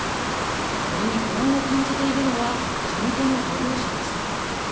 これに不安を感じているのは、地元の漁業者です。